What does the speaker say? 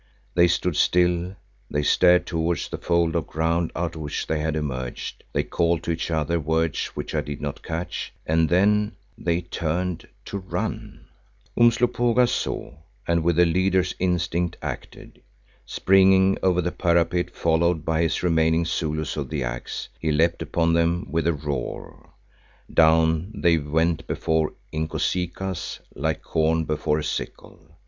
They stood still, they stared towards the fold of ground out of which they had emerged; they called to each other words which I did not catch, and then—they turned to run. Umslopogaas saw, and with a leader's instinct, acted. Springing over the parapet, followed by his remaining Zulus of the Axe, he leapt upon them with a roar. Down they went before Inkosikaas, like corn before a sickle.